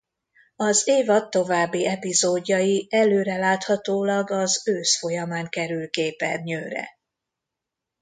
Az évad további epizódjai előreláthatólag az ősz folyamán kerül képernyőre.